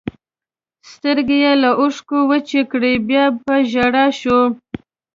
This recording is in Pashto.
سترګې یې له اوښکو وچې کړې، بیا په ژړا شوه.